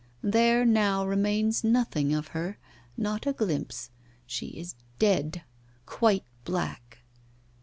there now remains nothing of her, not a glimpse; she is dead, quite black!